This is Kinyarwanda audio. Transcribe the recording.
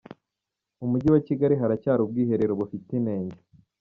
Mu mujyi wa Kigali haracyari ubwiherero bufite inenge